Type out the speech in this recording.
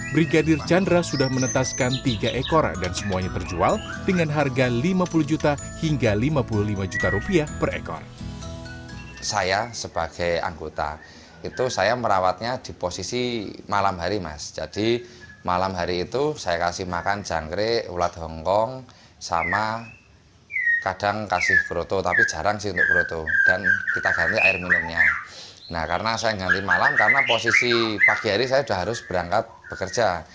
brigadir chandra sudah menetaskan tiga ekor dan semuanya terjual dengan harga lima puluh juta hingga lima puluh lima juta rupiah per ekor